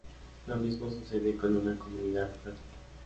Lo mismo sucede con una comunidad de práctica.